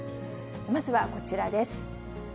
まずはこちらです。